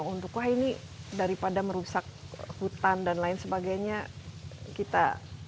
untuk wah ini daripada merusak hutan dan lain sebagainya kita